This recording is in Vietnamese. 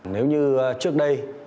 nếu như trước đây